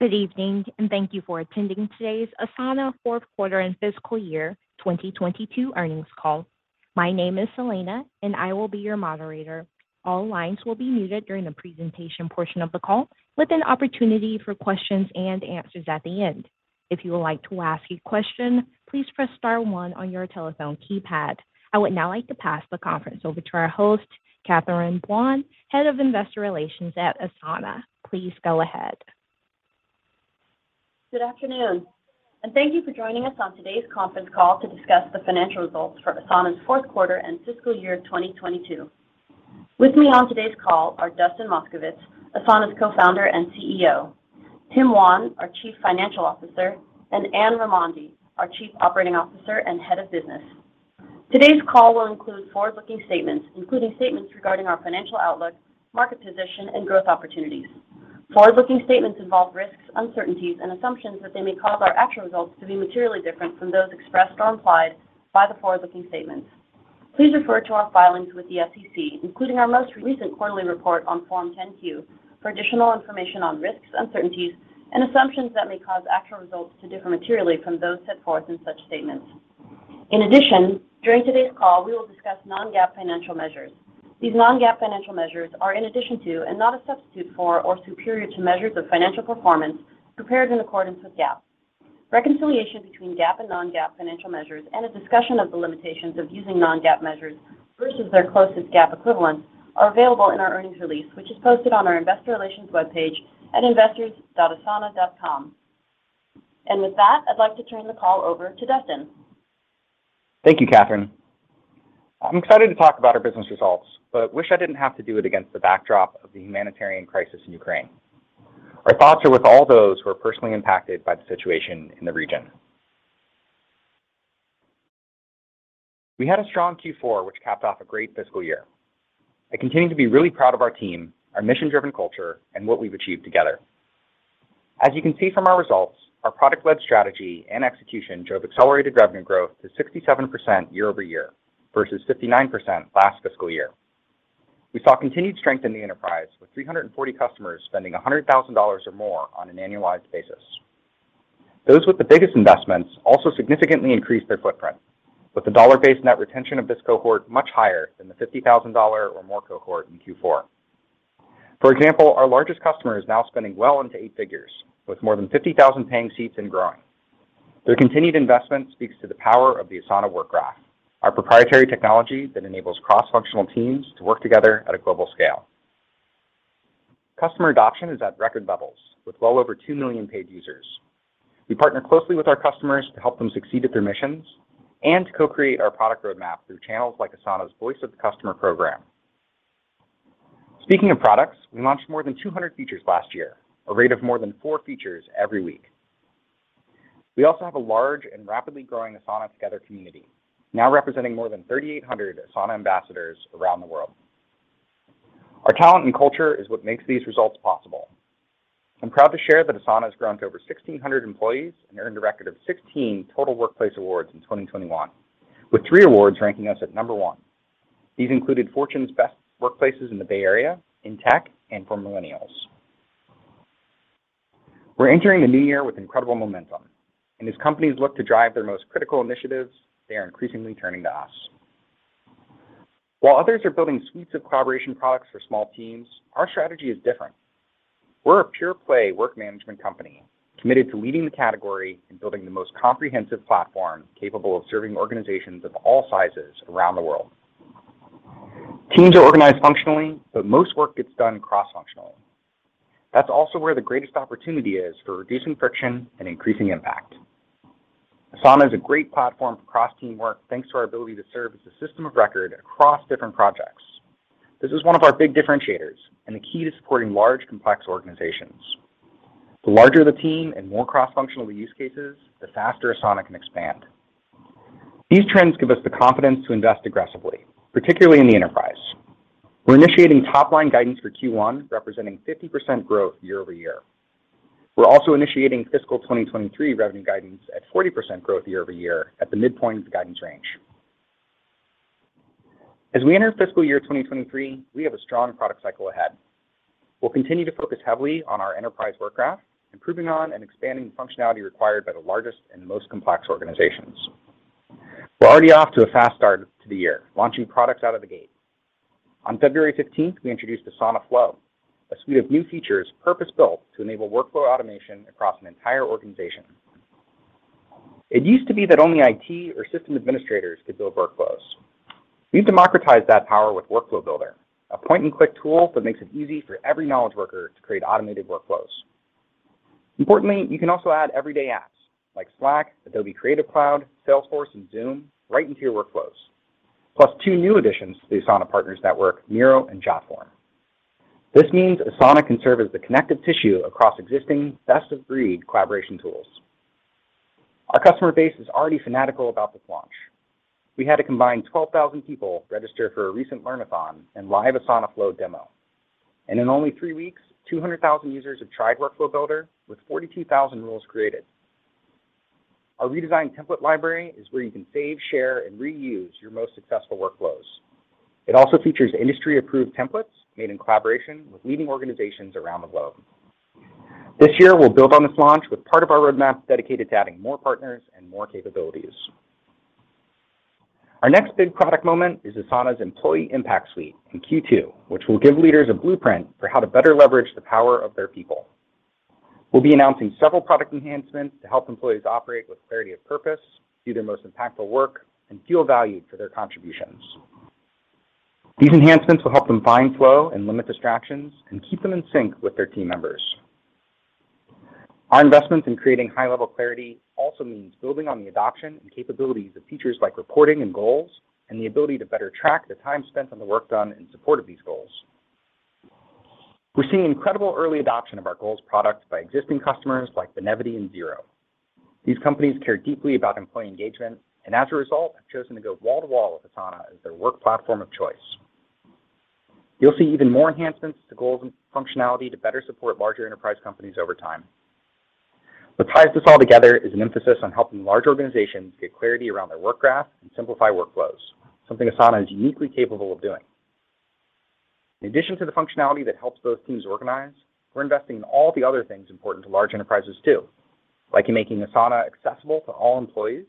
Good evening, and thank you for attending today's Asana fourth quarter and fiscal year 2022 earnings call. My name is Selena, and I will be your moderator. All lines will be muted during the presentation portion of the call, with an opportunity for questions and answers at the end. If you would like to ask a question, please press star one on your telephone keypad. I would now like to pass the conference over to our host, Catherine Buan, Head of Investor Relations at Asana. Please go ahead. Good afternoon, and thank you for joining us on today's conference call to discuss the financial results for Asana's fourth quarter and fiscal year 2022. With me on today's call are Dustin Moskovitz, Asana's Co-founder and CEO, Tim Wan, our Chief Financial Officer, and Anne Raimondi, our Chief Operating Officer and Head of Business. Today's call will include forward-looking statements, including statements regarding our financial outlook, market position, and growth opportunities. Forward-looking statements involve risks, uncertainties, and assumptions that may cause our actual results to be materially different from those expressed or implied by the forward-looking statements. Please refer to our filings with the SEC, including our most recent quarterly report on Form 10-Q, for additional information on risks, uncertainties, and assumptions that may cause actual results to differ materially from those set forth in such statements. In addition, during today's call, we will discuss non-GAAP financial measures. These non-GAAP financial measures are in addition to and not a substitute for or superior to measures of financial performance prepared in accordance with GAAP. Reconciliation between GAAP and non-GAAP financial measures and a discussion of the limitations of using non-GAAP measures versus their closest GAAP equivalent are available in our earnings release, which is posted on our investor relations webpage at investors.asana.com. With that, I'd like to turn the call over to Dustin. Thank you, Catherine. I'm excited to talk about our business results, but wish I didn't have to do it against the backdrop of the humanitarian crisis in Ukraine. Our thoughts are with all those who are personally impacted by the situation in the region. We had a strong Q4, which capped off a great fiscal year. I continue to be really proud of our team, our mission-driven culture, and what we've achieved together. As you can see from our results, our product-led strategy and execution drove accelerated revenue growth to 67% year-over-year versus 59% last fiscal year. We saw continued strength in the enterprise, with 340 customers spending $100,000 or more on an annualized basis. Those with the biggest investments also significantly increased their footprint, with the dollar-based net retention of this cohort much higher than the $50,000 or more cohort in Q4. For example, our largest customer is now spending well into eight figures, with more than 50,000 paying seats and growing. Their continued investment speaks to the power of the Asana Work Graph, our proprietary technology that enables cross-functional teams to work together at a global scale. Customer adoption is at record levels, with well over 2 million paid users. We partner closely with our customers to help them succeed at their missions and to co-create our product roadmap through channels like Asana's Voice of the Customer program. Speaking of products, we launched more than 200 features last year, a rate of more than 4 features every week. We also have a large and rapidly growing Asana Together community, now representing more than 3,800 Asana ambassadors around the world. Our talent and culture is what makes these results possible. I'm proud to share that Asana has grown to over 1,600 employees and earned a record of 16 total workplace awards in 2021, with three awards ranking us at number one. These included Fortune's Best Workplaces in the Bay Area, in tech, and for millennials. We're entering the new year with incredible momentum, and as companies look to drive their most critical initiatives, they are increasingly turning to us. While others are building suites of collaboration products for small teams, our strategy is different. We're a pure play work management company committed to leading the category and building the most comprehensive platform capable of serving organizations of all sizes around the world. Teams are organized functionally, but most work gets done cross-functionally. That's also where the greatest opportunity is for reducing friction and increasing impact. Asana is a great platform for cross-team work, thanks to our ability to serve as a system of record across different projects. This is one of our big differentiators and the key to supporting large, complex organizations. The larger the team and more cross-functional the use cases, the faster Asana can expand. These trends give us the confidence to invest aggressively, particularly in the enterprise. We're initiating top-line guidance for Q1, representing 50% growth year-over-year. We're also initiating fiscal 2023 revenue guidance at 40% growth year-over-year at the midpoint of the guidance range. As we enter fiscal year 2023, we have a strong product cycle ahead. We'll continue to focus heavily on our enterprise Work Graph, improving on and expanding the functionality required by the largest and most complex organizations. We're already off to a fast start to the year, launching products out of the gate. On February fifteenth, we introduced Asana Flow, a suite of new features purpose-built to enable workflow automation across an entire organization. It used to be that only IT or system administrators could build workflows. We've democratized that power with Workflow Builder, a point-and-click tool that makes it easy for every knowledge worker to create automated workflows. Importantly, you can also add everyday apps like Slack, Adobe Creative Cloud, Salesforce, and Zoom right into your workflows. Plus, two new additions to the Asana Partners Network, Miro and Jotform. This means Asana can serve as the connective tissue across existing best-of-breed collaboration tools. Our customer base is already fanatical about this launch. We had a combined 12,000 people register for a recent learn-a-thon and live Asana Flow demo. In only three weeks, 200,000 users have tried Workflow Builder, with 42,000 rules created. Our redesigned Template Library is where you can save, share, and reuse your most successful workflows. It also features industry-approved templates made in collaboration with leading organizations around the globe. This year, we'll build on this launch with part of our roadmap dedicated to adding more partners and more capabilities. Our next big product moment is Asana's Employee Impact Suite in Q2, which will give leaders a blueprint for how to better leverage the power of their people. We'll be announcing several product enhancements to help employees operate with clarity of purpose, do their most impactful work, and feel valued for their contributions. These enhancements will help them find flow and limit distractions and keep them in sync with their team members. Our investments in creating high-level clarity also means building on the adoption and capabilities of features like reporting and goals and the ability to better track the time spent on the work done in support of these goals. We're seeing incredible early adoption of our goals product by existing customers like Benevity and Xero. These companies care deeply about employee engagement, and as a result, have chosen to go wall-to-wall with Asana as their work platform of choice. You'll see even more enhancements to goals and functionality to better support larger enterprise companies over time. What ties this all together is an emphasis on helping large organizations get clarity around their Work Graph and simplify workflows, something Asana is uniquely capable of doing. In addition to the functionality that helps those teams organize, we're investing in all the other things important to large enterprises, too, like making Asana accessible to all employees,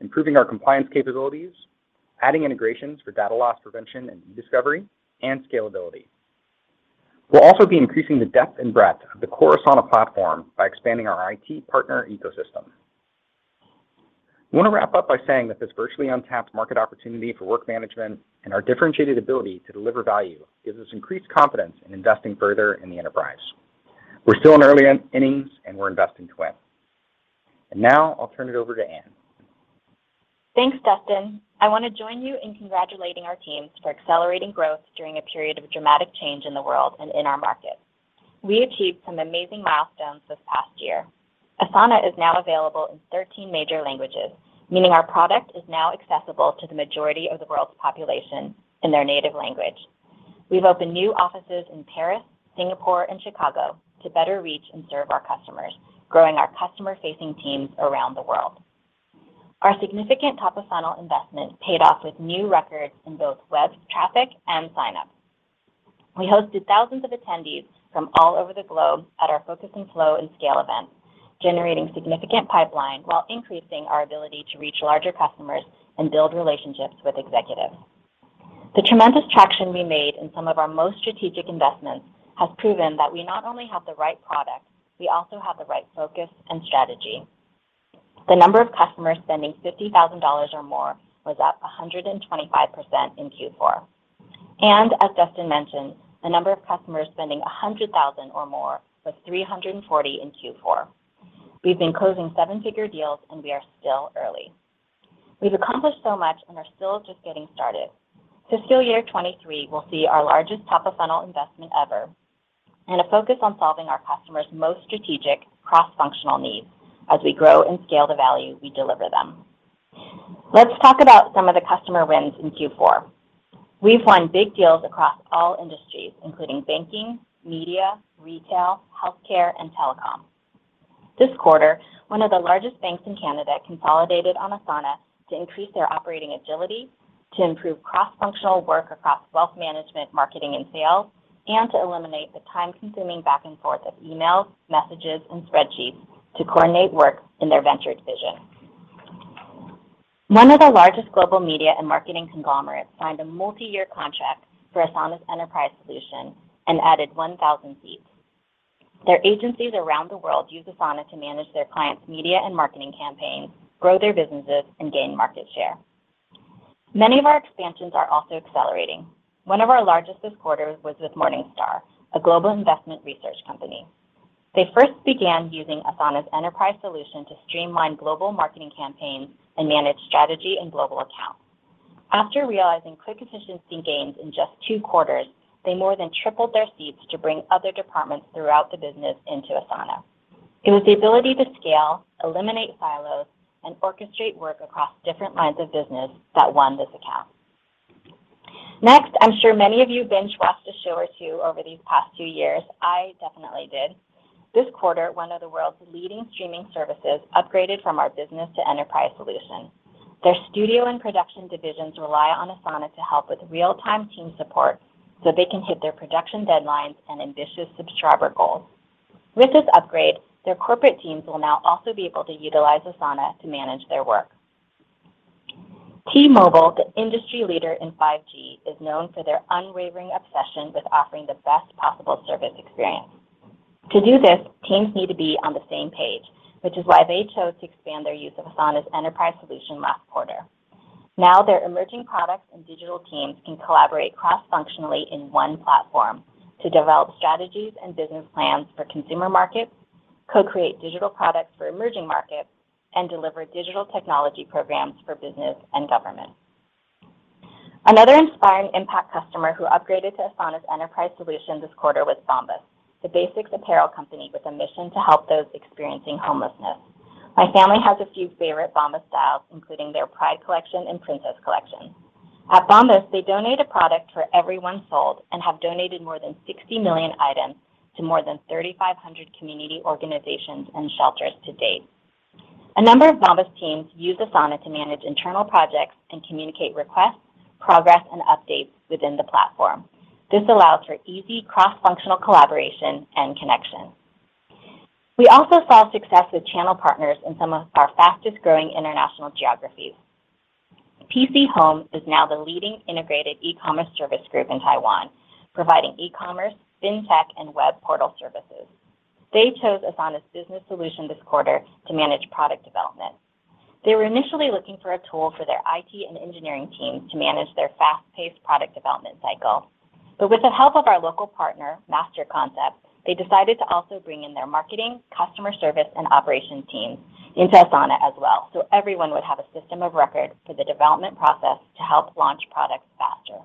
improving our compliance capabilities, adding integrations for data loss prevention and e-discovery, and scalability. We'll also be increasing the depth and breadth of the core Asana platform by expanding our IT partner ecosystem. I want to wrap up by saying that this virtually untapped market opportunity for work management and our differentiated ability to deliver value gives us increased confidence in investing further in the enterprise. We're still in early innings, and we're investing to win. Now I'll turn it over to Anne. Thanks, Dustin. I want to join you in congratulating our teams for accelerating growth during a period of dramatic change in the world and in our market. We achieved some amazing milestones this past year. Asana is now available in 13 major languages, meaning our product is now accessible to the majority of the world's population in their native language. We've opened new offices in Paris, Singapore, and Chicago to better reach and serve our customers, growing our customer-facing teams around the world. Our significant top-of-funnel investment paid off with new records in both web traffic and sign-ups. We hosted thousands of attendees from all over the globe at our Focus and Flow and SCALE events, generating significant pipeline while increasing our ability to reach larger customers and build relationships with executives. The tremendous traction we made in some of our most strategic investments has proven that we not only have the right product, we also have the right focus and strategy. The number of customers spending $50,000 or more was up 125% in Q4. As Dustin mentioned, the number of customers spending $100,000 or more was 340 in Q4. We've been closing seven-figure deals, and we are still early. We've accomplished so much and are still just getting started. Fiscal year 2023 will see our largest top-of-funnel investment ever and a focus on solving our customers' most strategic cross-functional needs as we grow and scale the value we deliver them. Let's talk about some of the customer wins in Q4. We've won big deals across all industries, including banking, media, retail, healthcare, and telecom. This quarter, one of the largest banks in Canada consolidated on Asana to increase their operating agility, to improve cross-functional work across wealth management, marketing, and sales, and to eliminate the time-consuming back and forth of emails, messages, and spreadsheets to coordinate work in their venture division. One of the largest global media and marketing conglomerates signed a multi-year contract for Asana's Enterprise solution and added 1,000 seats. Their agencies around the world use Asana to manage their clients' media and marketing campaigns, grow their businesses, and gain market share. Many of our expansions are also accelerating. One of our largest this quarter was with Morningstar, a global investment research company. They first began using Asana's Enterprise solution to streamline global marketing campaigns and manage strategy and global accounts. After realizing quick efficiency gains in just two quarters, they more than tripled their seats to bring other departments throughout the business into Asana. It was the ability to scale, eliminate silos, and orchestrate work across different lines of business that won this account. Next, I'm sure many of you binge-watched a show or two over these past two years. I definitely did. This quarter, one of the world's leading streaming services upgraded from our business to Enterprise solution. Their studio and production divisions rely on Asana to help with real-time team support so they can hit their production deadlines and ambitious subscriber goals. With this upgrade, their corporate teams will now also be able to utilize Asana to manage their work. T-Mobile, the industry leader in 5G, is known for their unwavering obsession with offering the best possible service experience. To do this, teams need to be on the same page, which is why they chose to expand their use of Asana's Enterprise solution last quarter. Now, their emerging products and digital teams can collaborate cross-functionally in one platform to develop strategies and business plans for consumer markets, co-create digital products for emerging markets, and deliver digital technology programs for business and government. Another inspiring impact customer who upgraded to Asana's Enterprise solution this quarter was Bombas, the basics apparel company with a mission to help those experiencing homelessness. My family has a few favorite Bombas styles, including their Pride collection and Princess collection. At Bombas, they donate a product for every one sold and have donated more than 60 million items to more than 3,500 community organizations and shelters to date. A number of Bombas teams use Asana to manage internal projects and communicate requests, progress, and updates within the platform. This allows for easy cross-functional collaboration and connection. We also saw success with channel partners in some of our fastest-growing international geographies. PChome Online is now the leading integrated e-commerce service group in Taiwan, providing e-commerce, fintech, and web portal services. They chose Asana's business solution this quarter to manage product development. They were initially looking for a tool for their IT and engineering teams to manage their fast-paced product development cycle. With the help of our local partner, Master Concept, they decided to also bring in their marketing, customer service, and operations teams into Asana as well, so everyone would have a system of record for the development process to help launch products faster.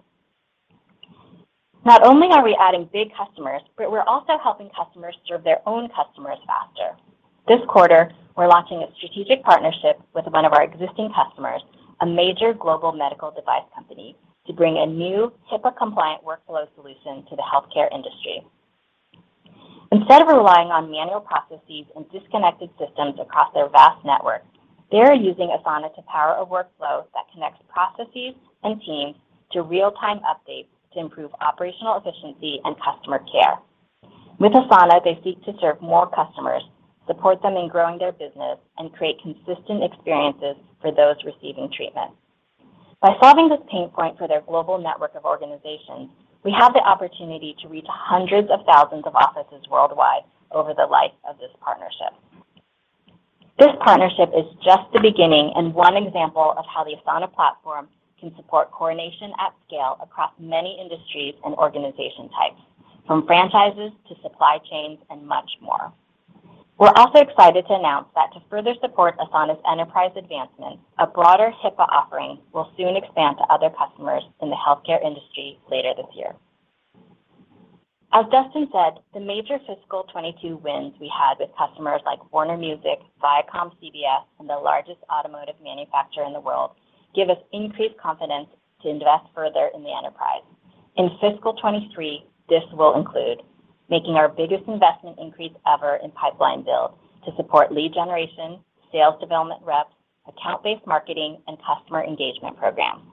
Not only are we adding big customers, but we're also helping customers serve their own customers faster. This quarter, we're launching a strategic partnership with one of our existing customers, a major global medical device company, to bring a new HIPAA-compliant workflow solution to the healthcare industry. Instead of relying on manual processes and disconnected systems across their vast network, they are using Asana to power a workflow that connects processes and teams to real-time updates to improve operational efficiency and customer care. With Asana, they seek to serve more customers, support them in growing their business, and create consistent experiences for those receiving treatment. By solving this pain point for their global network of organizations, we have the opportunity to reach hundreds of thousands of offices worldwide over the life of this partnership. This partnership is just the beginning and one example of how the Asana platform can support coordination at scale across many industries and organization types, from franchises to supply chains and much more. We're also excited to announce that to further support Asana's enterprise advancement, a broader HIPAA offering will soon expand to other customers in the healthcare industry later this year. As Dustin said, the major fiscal 2022 wins we had with customers like Warner Music, ViacomCBS, and the largest automotive manufacturer in the world give us increased confidence to invest further in the enterprise. In fiscal 2023, this will include making our biggest investment increase ever in pipeline build to support lead generation, sales development reps, account-based marketing, and customer engagement programs.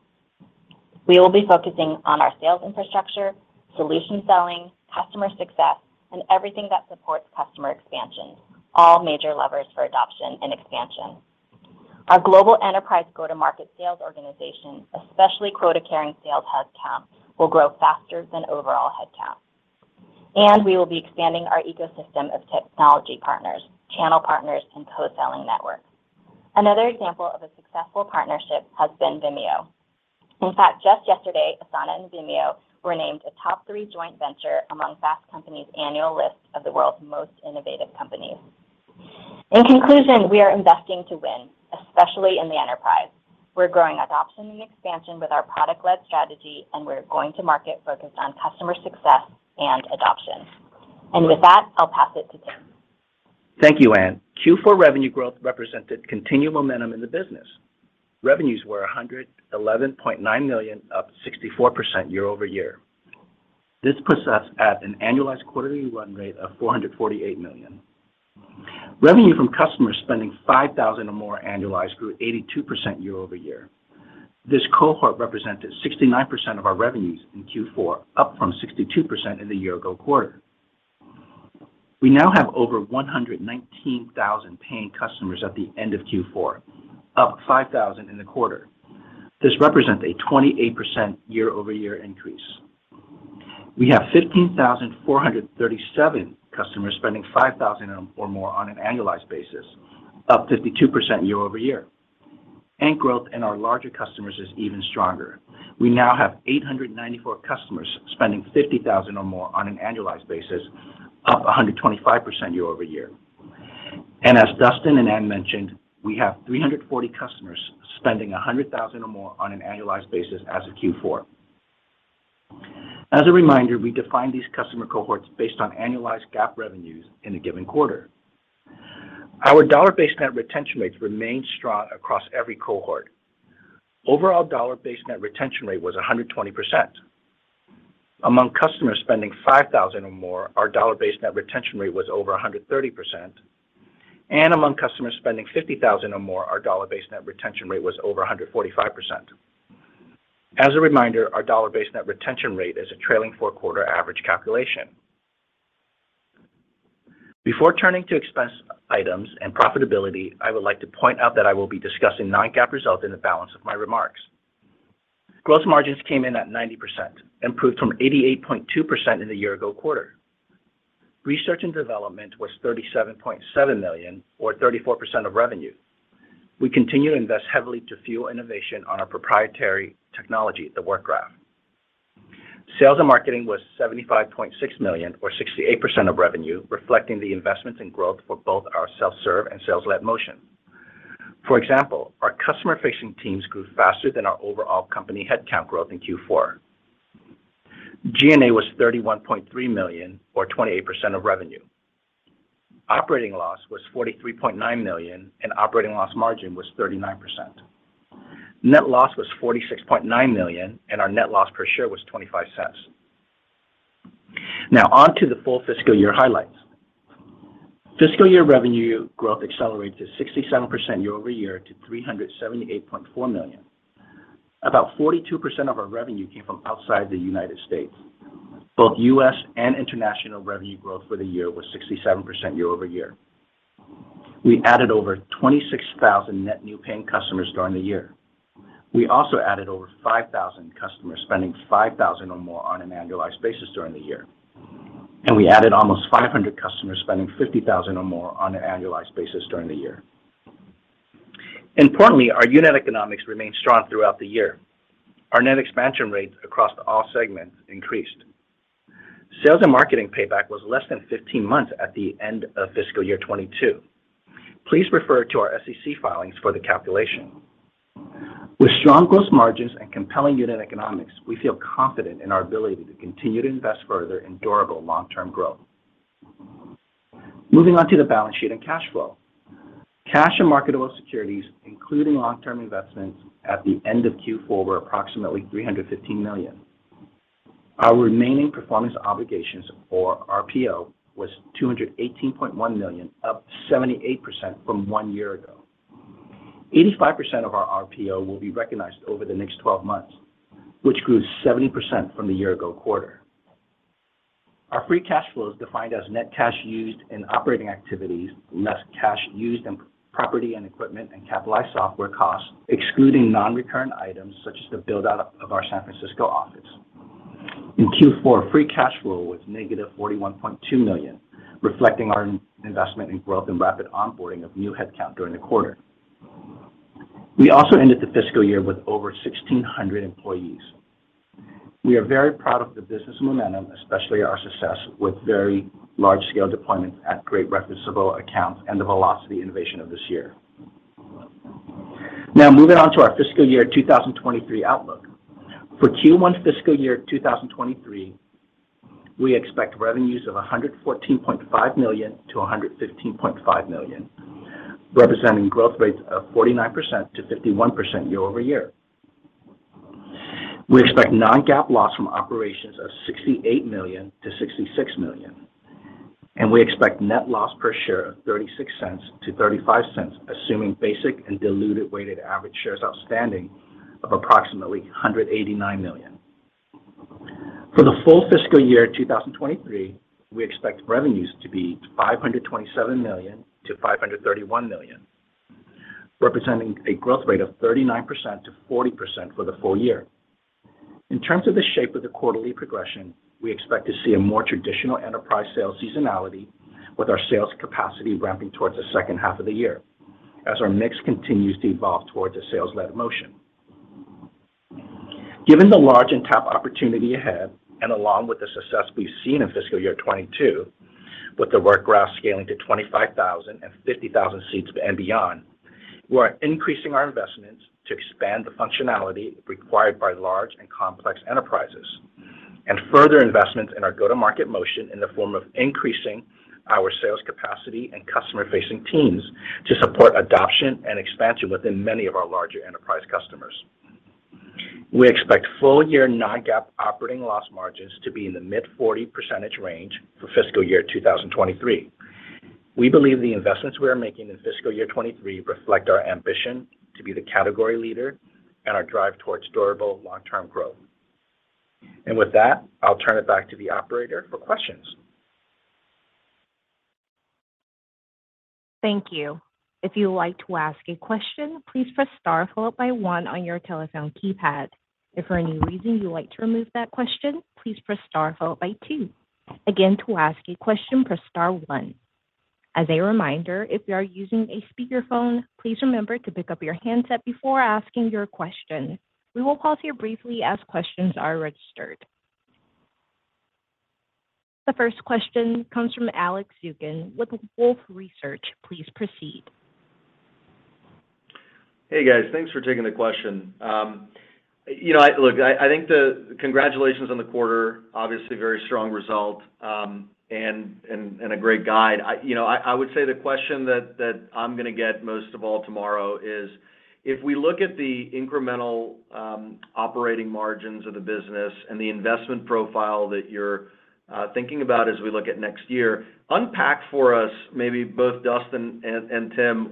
We will be focusing on our sales infrastructure, solution selling, customer success, and everything that supports customer expansion, all major levers for adoption and expansion. Our global enterprise go-to-market sales organization, especially quota-carrying sales headcount, will grow faster than overall headcount. We will be expanding our ecosystem of technology partners, channel partners, and co-selling networks. Another example of a successful partnership has been Vimeo. In fact, just yesterday, Asana and Vimeo were named a top three joint venture among Fast Company's annual list of the world's most innovative companies. In conclusion, we are investing to win, especially in the enterprise. We're growing adoption and expansion with our product-led strategy, and we're going to market focused on customer success and adoption. With that, I'll pass it to Tim. Thank you, Anne. Q4 revenue growth represented continued momentum in the business. Revenues were $111.9 million, up 64% year-over-year. This puts us at an annualized quarterly run rate of $448 million. Revenue from customers spending $5,000 or more annualized grew 82% year-over-year. This cohort represented 69% of our revenues in Q4, up from 62% in the year-ago quarter. We now have over 119,000 paying customers at the end of Q4, up 5,000 in the quarter. This represents a 28% year-over-year increase. We have 15,437 customers spending $5,000 or more on an annualized basis, up 52% year-over-year. Growth in our larger customers is even stronger. We now have 894 customers spending $50,000 or more on an annualized basis, up 125% year-over-year. As Dustin and Anne mentioned, we have 340 customers spending $100,000 or more on an annualized basis as of Q4. As a reminder, we define these customer cohorts based on annualized GAAP revenues in a given quarter. Our dollar-based net retention rates remain strong across every cohort. Overall dollar-based net retention rate was 120%. Among customers spending $5,000 or more, our dollar-based net retention rate was over 130%. Among customers spending $50,000 or more, our dollar-based net retention rate was over 145%. As a reminder, our dollar-based net retention rate is a trailing 4-quarter average calculation. Before turning to expense items and profitability, I would like to point out that I will be discussing non-GAAP results in the balance of my remarks. Gross margins came in at 90%, improved from 88.2% in the year-ago quarter. Research and development was $37.7 million, or 34% of revenue. We continue to invest heavily to fuel innovation on our proprietary technology, the Work Graph. Sales and marketing was $75.6 million, or 68% of revenue, reflecting the investments in growth for both our self-serve and sales-led motion. For example, our customer-facing teams grew faster than our overall company headcount growth in Q4. G&A was $31.3 million, or 28% of revenue. Operating loss was $43.9 million, and operating loss margin was 39%. Net loss was $46.9 million, and our net loss per share was $0.25. Now on to the full fiscal year highlights. Fiscal year revenue growth accelerated to 67% year-over-year to $378.4 million. About 42% of our revenue came from outside the United States. Both U.S. and international revenue growth for the year was 67% year-over-year. We added over 26,000 net new paying customers during the year. We also added over 5,000 customers spending $5,000 or more on an annualized basis during the year. We added almost 500 customers spending $50,000 or more on an annualized basis during the year. Importantly, our unit economics remained strong throughout the year. Our net expansion rates across all segments increased. Sales and marketing payback was less than 15 months at the end of fiscal year 2022. Please refer to our SEC filings for the calculation. With strong gross margins and compelling unit economics, we feel confident in our ability to continue to invest further in durable long-term growth. Moving on to the balance sheet and cash flow. Cash and marketable securities, including long-term investments at the end of Q4 were approximately $315 million. Our remaining performance obligations or RPO was $218.1 million, up 78% from one year ago. 85% of our RPO will be recognized over the next 12 months, which grew 70% from the year ago quarter. Our free cash flow is defined as net cash used in operating activities, less cash used in property and equipment and capitalized software costs, excluding non-recurrent items such as the build-out of our San Francisco office. In Q4, free cash flow was negative $41.2 million, reflecting our investment in growth and rapid onboarding of new headcount during the quarter. We also ended the fiscal year with over 1,600 employees. We are very proud of the business momentum, especially our success with very large-scale deployments at great referenceable accounts and the velocity innovation of this year. Now moving on to our fiscal year 2023 outlook. For Q1 fiscal year 2023, we expect revenues of $114.5 million to a $115.5 million, representing growth rates of 49% to 51% year-over-year. We expect non-GAAP loss from operations of $68 million to $66 million, and we expect net loss per share of $0.36 to $0.35, assuming basic and diluted weighted average shares outstanding of approximately $189 million. For the full fiscal year 2023, we expect revenues to be $527 million to $531 million, representing a growth rate of 39% to 40% for the full year. In terms of the shape of the quarterly progression, we expect to see a more traditional enterprise sales seasonality with our sales capacity ramping towards the second half of the year as our mix continues to evolve towards a sales-led motion. Given the large and tap opportunity ahead and along with the success we've seen in fiscal year 2022, with the Work Graph scaling to 25,000 and 50,000 seats and beyond, we are increasing our investments to expand the functionality required by large and complex enterprises, and further investments in our go-to-market motion in the form of increasing our sales capacity and customer-facing teams to support adoption and expansion within many of our larger enterprise customers. We expect full-year non-GAAP operating loss margins to be in the mid-40% range for fiscal year 2023. We believe the investments we are making in fiscal year 2023 reflect our ambition to be the category leader and our drive towards durable long-term growth. With that, I'll turn it back to the operator for questions. Thank you. If you would like to ask a question, please press star followed by one on your telephone keypad. If for any reason you would like to remove that question, please press star followed by two. Again, to ask a question, press star one. As a reminder, if you are using a speakerphone, please remember to pick up your handset before asking your question. We will pause here briefly as questions are registered. The first question comes from Alex Zukin with Wolfe Research. Please proceed. Hey, guys. Thanks for taking the question. Look, I think Congratulations on the quarter. Obviously, very strong result, and a great guide. I would say the question that I'm gonna get most of all tomorrow is, if we look at the incremental operating margins of the business and the investment profile that you're thinking about as we look at next year, unpack for us maybe both Dustin and Tim,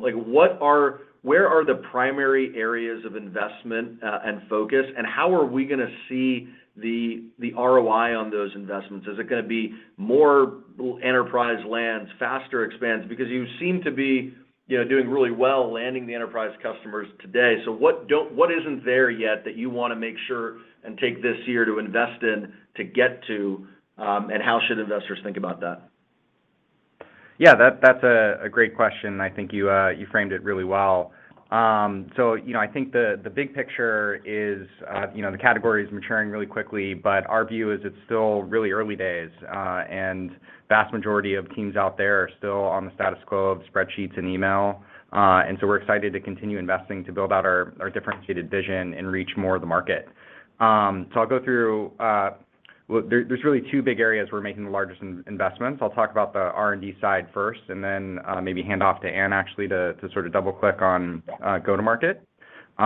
where are the primary areas of investment and focus, and how are we gonna see the ROI on those investments? Is it gonna be more enterprise lands, faster expands? Because you seem to be doing really well landing the enterprise customers today. What isn't there yet that you wanna make sure and take this year to invest in to get to, and how should investors think about that? That's a great question. I think you framed it really well. You know, I think the big picture is, you know, the category is maturing really quickly, but our view is its still really early days, and vast majority of teams out there are still on the status quo of spreadsheets and email. We're excited to continue investing to build out our differentiated vision and reach more of the market. I'll go through Well, there's really two big areas we're making the largest investments. I'll talk about the R&D side first, and then maybe hand off to Anne actually to sort of double-click on go-to-market. But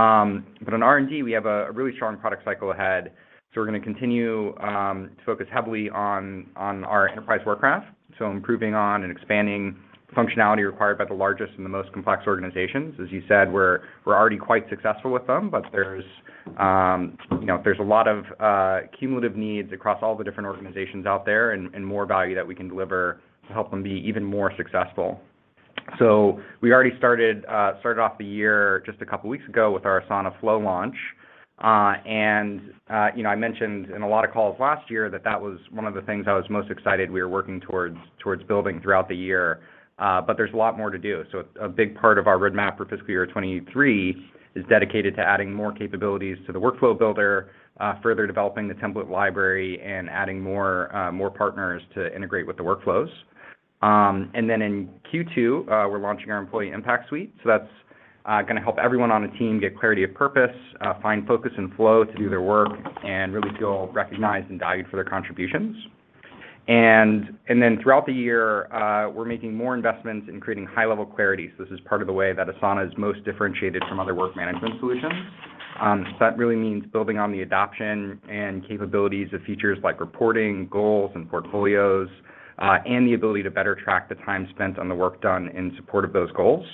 on R&D, we have a really strong product cycle ahead, so we're gonna continue to focus heavily on our Enterprise Work Graph, so improving on and expanding functionality required by the largest and the most complex organizations. As you said, we're already quite successful with them, but there's, you know, a lot of cumulative needs across all the different organizations out there and more value that we can deliver to help them be even more successful. We already started off the year just a couple weeks ago with our Asana Flow launch. you know, I mentioned in a lot of calls last year that that was one of the things I was most excited we were working towards building throughout the year. There's a lot more to do. A big part of our roadmap for fiscal year 2023 is dedicated to adding more capabilities to the Workflow Builder, further developing the template library, and adding more partners to integrate with the workflows. In Q2, we're launching our Employee Impact Suite, that's gonna help everyone on a team get clarity of purpose, find focus and flow to do their work, and really feel recognized and valued for their contributions. Throughout the year, we're making more investments in creating high-level clarity, so this is part of the way that Asana is most differentiated from other work management solutions. That really means building on the adoption and capabilities of features like reporting, goals, and portfolios, and the ability to better track the time spent on the work done in support of those goals.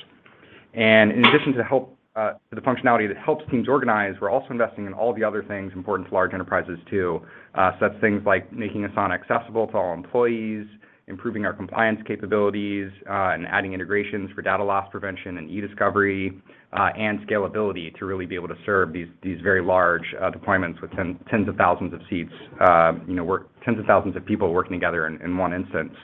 In addition to the functionality that helps teams organize, we're also investing in all the other things important to large enterprises too. That's things like making Asana accessible to all employees, improving our compliance capabilities, and adding integrations for data loss prevention and e-discovery, and scalability to really be able to serve these very large deployments with tens of thousands of seats, you know, tens of thousands of people working together in one instance.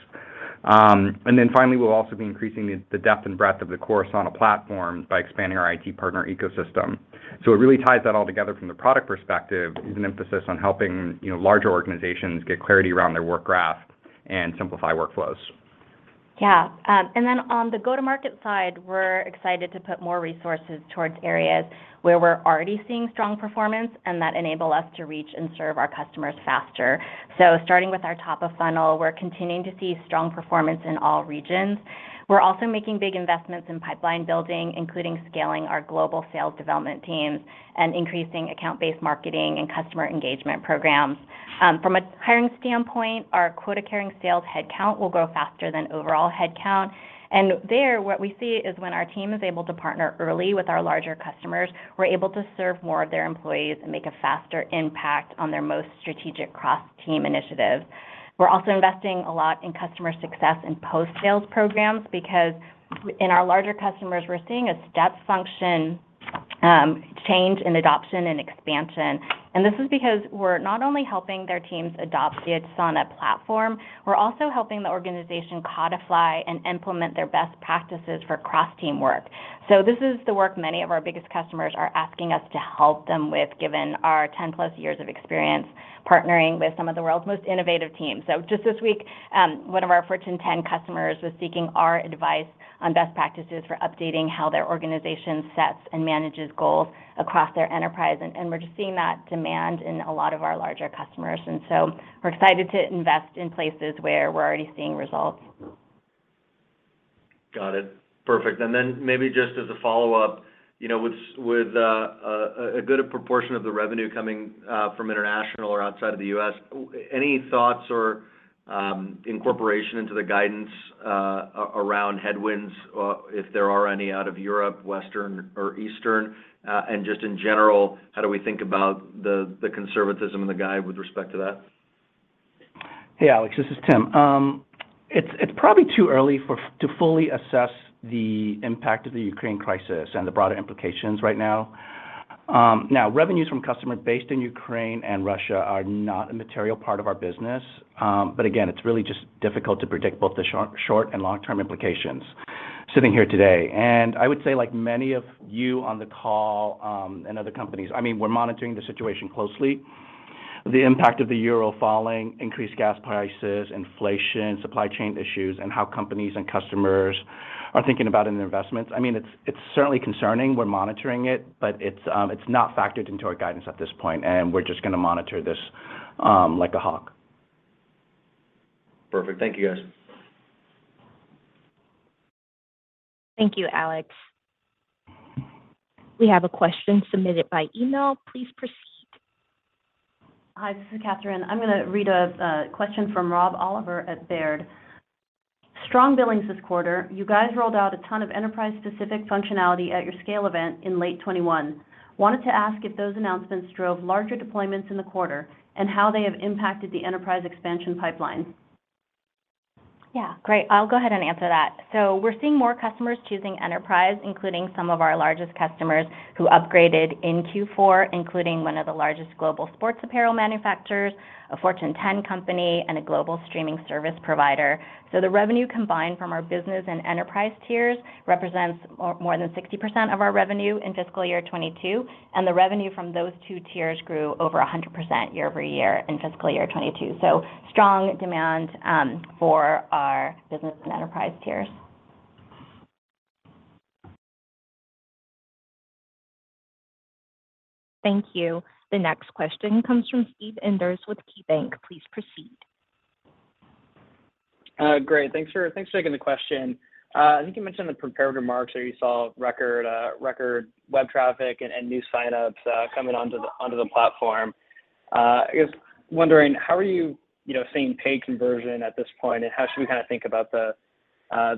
Then finally, we'll also be increasing the depth and breadth of the core Asana platform by expanding our IT partner ecosystem. It really ties that all together from the product perspective with an emphasis on helping, you know, larger organizations get clarity around their Work Graph and simplify workflows. Yeah. On the go-to-market side, we're excited to put more resources towards areas where we're already seeing strong performance and that enable us to reach and serve our customers faster. Starting with our top of funnel, we're continuing to see strong performance in all regions. We're also making big investments in pipeline building, including scaling our global sales development teams and increasing account-based marketing and customer engagement programs. From a hiring standpoint, our quota-carrying sales headcount will grow faster than overall headcount. There, what we see is when our team is able to partner early with our larger customers, we're able to serve more of their employees and make a faster impact on their most strategic cross-team initiatives. We're also investing a lot in customer success and post-sales programs because in our larger customers, we're seeing a step function change in adoption and expansion, and this is because we're not only helping their teams adopt the Asana platform, we're also helping the organization codify and implement their best practices for cross-team work. This is the work many of our biggest customers are asking us to help them with given our 10-plus years of experience partnering with some of the world's most innovative teams. Just this week, one of our Fortune 10 customers was seeking our advice on best practices for updating how their organization sets and manages goals across their enterprise, and we're just seeing that demand in a lot of our larger customers. We're excited to invest in places where we're already seeing results. Got it. Perfect. Maybe just as a follow-up, with a good proportion of the revenue coming from international or outside of the U.S., any thoughts or incorporation into the guidance around headwinds if there are any out of Europe, Western or Eastern? Just in general, how do we think about the conservatism and the guide with respect to that? Hey, Alex. This is Tim. It's probably too early to fully assess the impact of the Ukraine crisis and the broader implications right now. Revenues from customers based in Ukraine and Russia are not a material part of our business. Again, it's really just difficult to predict both the short and long-term implications sitting here today. I would say like many of you on the call, and other companies, I mean, we're monitoring the situation closely. The impact of the euro falling, increased gas prices, inflation, supply chain issues, and how companies and customers are thinking about their investments, I mean, it's certainly concerning. We're monitoring it, but it's not factored into our guidance at this point, and we're just gonna monitor this like a hawk. Perfect. Thank you, guys. Thank you, Alex. We have a question submitted by email. Please proceed. Hi, this is Catherine. I'm gonna read a question from Rob Oliver at Baird. Strong billings this quarter. You guys rolled out a ton of enterprise-specific functionality at your SCALE event in late 2021. Wanted to ask if those announcements drove larger deployments in the quarter, and how they have impacted the enterprise expansion pipeline. Yeah. Great. I'll go ahead and answer that. We're seeing more customers choosing enterprise, including some of our largest customers who upgraded in Q4, including one of the largest global sports apparel manufacturers, a Fortune 10 company, and a global streaming service provider. The revenue combined from our business and enterprise tiers represents more than 60% of our revenue in fiscal year 2022, and the revenue from those two tiers grew over 100% year over year in fiscal year 2022. Strong demand for our business and enterprise tiers. Thank you. The next question comes from Steve Enders with KeyBanc. Please proceed. Great. Thanks for taking the question. I think you mentioned in the prepared remarks that you saw record web traffic and new signups coming onto the platform. I guess I'm wondering how you are, you know, seeing paid conversion at this point, and how should we kind of think about the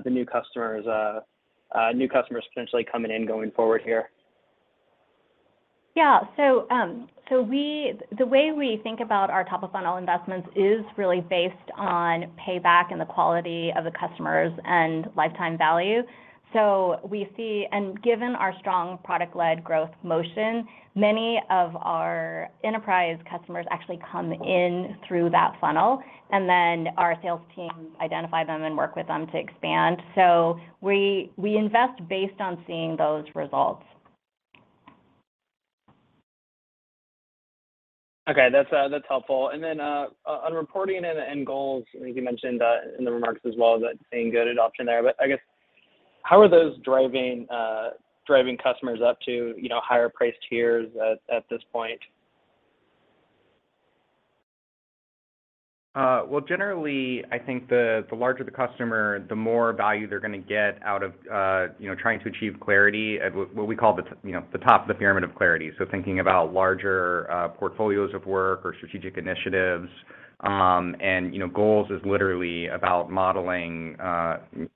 new customers potentially coming in going forward here? The way we think about our top-of-funnel investments is really based on payback and the quality of the customers and lifetime value. We see, given our strong product-led growth motion, many of our enterprise customers actually come in through that funnel, and then our sales teams identify them and work with them to expand. We invest based on seeing those results. Okay. That's helpful. Then, on reporting and goals, I think you mentioned in the remarks as well that you're seeing good adoption there. I guess, how are those driving customers up to, you know, higher price tiers at this point? Well, generally, I think the larger the customer, the more value they're gonna get out of, you know, trying to achieve clarity at what we call the, you know, the top of the pyramid of clarity, so thinking about larger portfolios of work or strategic initiatives. You know, goals is literally about modeling,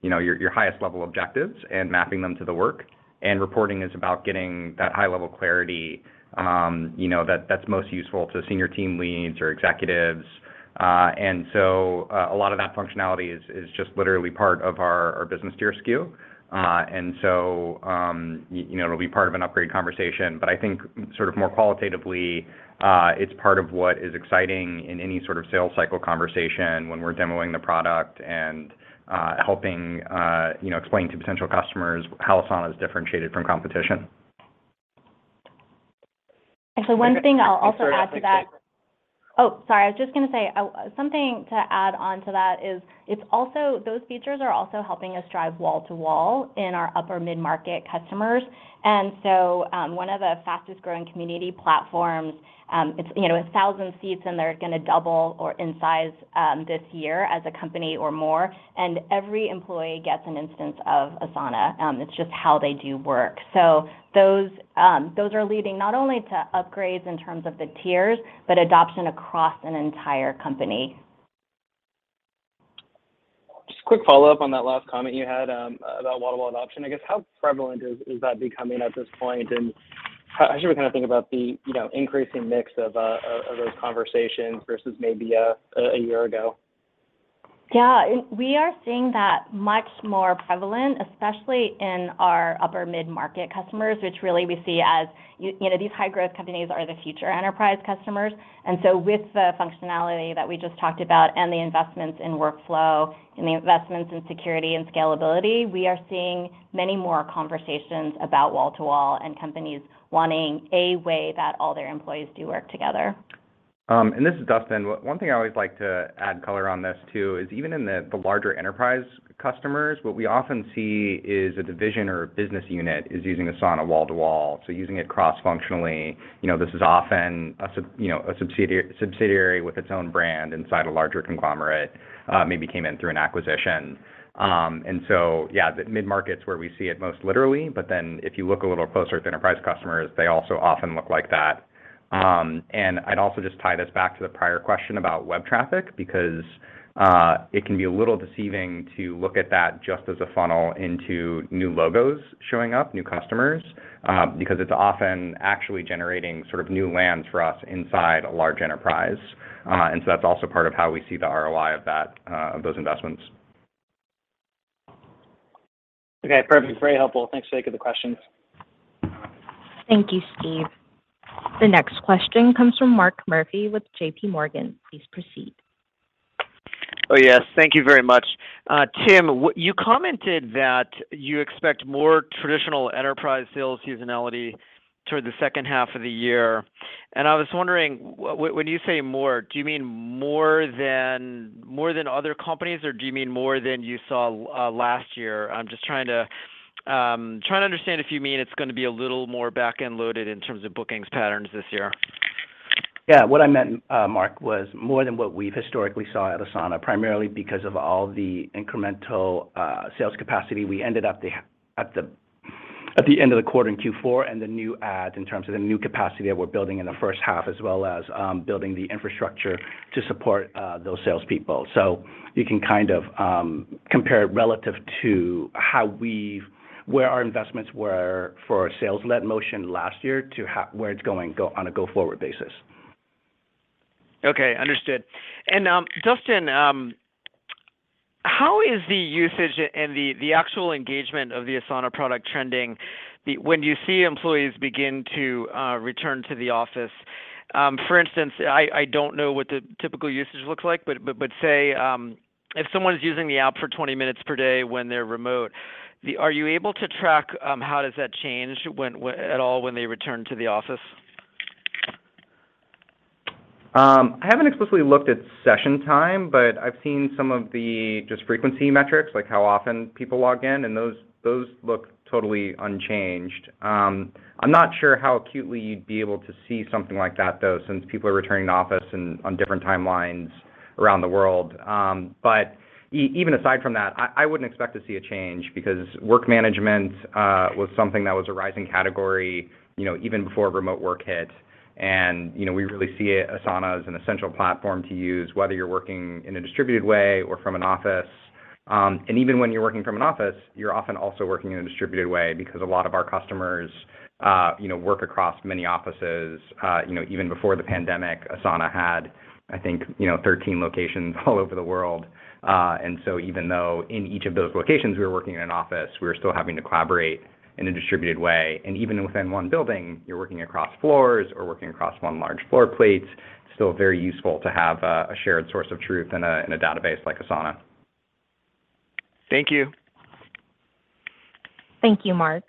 you know, your highest level objectives and mapping them to the work. Reporting is about getting that high-level clarity, you know, that's most useful to senior team leads or executives. A lot of that functionality is just literally part of our business tier SKU. You know, it'll be part of an upgrade conversation. I think sort of more qualitatively, it's part of what is exciting in any sort of sales cycle conversation when we're demoing the product and helping, you know, explaining to potential customers how Asana is differentiated from competition. Actually, one thing I'll also add to that. Sorry, I was just gonna say. Something to add on to that is it's also those features are also helping us drive wall-to-wall in our upper mid-market customers. One of the fastest-growing community platforms, it's, you know, 1,000 seats, and they're gonna double or more in size this year as a company or more, and every employee gets an instance of Asana. It's just how they do work. Those are leading not only to upgrades in terms of the tiers, but adoption across an entire company. Just a quick follow-up on that last comment you had about wall-to-wall adoption. I guess how prevalent is that becoming at this point, and how should we kind of think about the, you know, increasing mix of those conversations versus maybe a year ago? Yeah. We are seeing that much more prevalent, especially in our upper mid-market customers, which really we see as, you know, these high-growth companies are the future enterprise customers. With the functionality that we just talked about and the investments in workflow and the investments in security and scalability, we are seeing many more conversations about wall to wall and companies wanting a way that all their employees do work together. This is Dustin. One thing I always like to add color on this too is even in the larger enterprise customers, what we often see is a division or a business unit is using Asana wall to wall, so using it cross-functionally. You know, this is often a subsidiary with its own brand inside a larger conglomerate, maybe came in through an acquisition. Yeah, the mid-market's where we see it most literally, but then if you look a little closer at the enterprise customers, they also often look like that. I'd also just tie this back to the prior question about web traffic because it can be a little deceiving to look at that just as a funnel into new logos showing up, new customers, because it's often actually generating sort of new lands for us inside a large enterprise. That's also part of how we see the ROI of that, of those investments. Okay. Perfect. Very helpful. Thanks. Thank you for the questions. Thank you, Steve. The next question comes from Mark Murphy with J.P. Morgan. Please proceed. Oh, yes. Thank you very much. Tim, you commented that you expect more traditional enterprise sales seasonality toward the second half of the year. I was wondering, when you say more, do you mean more than other companies, or do you mean more than you saw last year? I'm just trying to understand if you mean it's gonna be a little more back-end loaded in terms of bookings patterns this year. Yeah. What I meant, Mark, was more than what we've historically saw at Asana, primarily because of all the incremental sales capacity we ended up at the end of the quarter in Q4, and the new adds in terms of the new capacity that we're building in the first half, as well as building the infrastructure to support those salespeople. You can kind of compare it relative to how our investments were for our sales-led motion last year to where it's going on a go-forward basis. Okay. Understood. Dustin, how is the usage and the actual engagement of the Asana product trending when you see employees begin to return to the office? For instance, I don't know what the typical usage looks like, but say, if someone's using the app for 20 minutes per day when they're remote, are you able to track how does that change at all when they return to the office? I haven't explicitly looked at session time, but I've seen some of the just frequency metrics, like how often people log in, and those look totally unchanged. I'm not sure how acutely you'd be able to see something like that, though, since people are returning to office and on different timelines around the world. Even aside from that, I wouldn't expect to see a change because work management was something that was a rising category, you know, even before remote work hit. You know, we really see Asana as an essential platform to use, whether you're working in a distributed way or from an office. Even when you're working from an office, you're often also working in a distributed way because a lot of our customers, you know, work across many offices. You know, even before the pandemic, Asana had, I think, you know, 13 locations all over the world. Even though in each of those locations, we were working in an office, we were still having to collaborate in a distributed way. Even within one building, you're working across floors or working across one large floor plate, it's still very useful to have a shared source of truth in a database like Asana. Thank you. Thank you, Mark.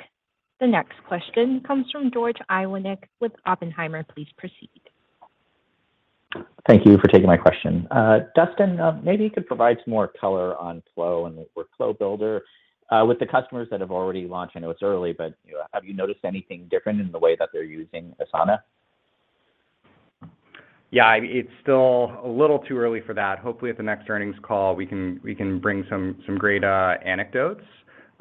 The next question comes from George Iwanyc with Oppenheimer. Please proceed. Thank you for taking my question. Dustin, maybe you could provide some more color on Flow and the Workflow Builder. With the customers that have already launched, I know it's early, but, you know, have you noticed anything different in the way that they're using Asana? Yeah. It's still a little too early for that. Hopefully, at the next earnings call, we can bring some great anecdotes.